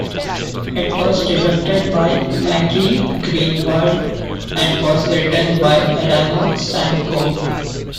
It was directed by Maggie Greenwald and was written by Alana Sanko.